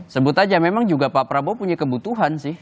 sebut aja memang juga pak prabowo punya kebutuhan sih